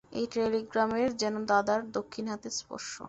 এই টেলিগ্রামের যেন দাদার দক্ষিণ হাতের স্পর্শ।